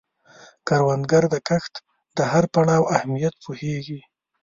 کروندګر د کښت د هر پړاو اهمیت پوهیږي